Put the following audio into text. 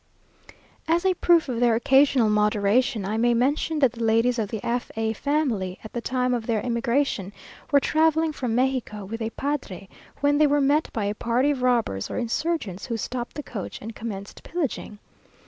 As a proof of their occasional moderation, I may mention, that the ladies of the F a family, at the time of their emigration, were travelling from Mexico with a padre, when they were met by a party of robbers or insurgents, who stopped the coach, and commenced pillaging.